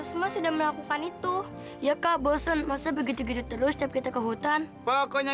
sampai jumpa di video selanjutnya